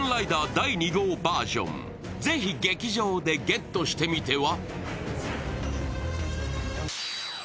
第２号Ｖｅｒ．ぜひ劇場でゲットしてみては？